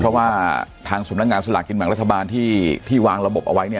เพราะว่าทางสุนัขงานสุลากินแห่งรัฐบาลที่วางระบบเอาไว้